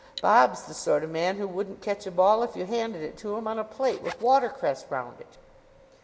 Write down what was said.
Bob's the sort of man who wouldn't catch a ball if you handed it to him on a plate, with watercress round it."